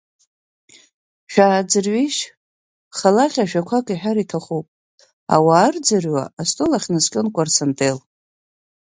Шәааӡырҩишь, Халаҟьа ажәақәак иҳәар иҭахуп, ауаа ырӡырҩуа астол ахь днаскьон Кәарсантел.